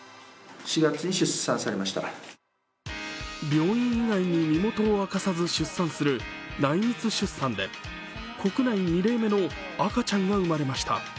病院以外に身元を明かさず出産する内密出産で国内２例目の赤ちゃんが生まれました。